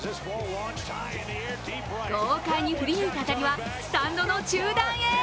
豪快に振り抜いた当たりはスタンドの中段へ。